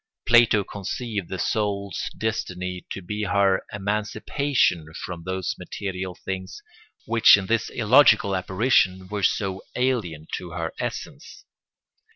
Plato conceived the soul's destiny to be her emancipation from those material things which in this illogical apparition were so alien to her essence.